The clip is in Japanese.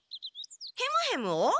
ヘムヘムを？